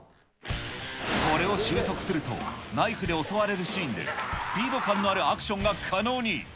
これを習得すると、ナイフで襲われるシーンで、スピード感のあるアクションが可能に。